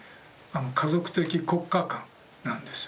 「家族的国家観」なんです。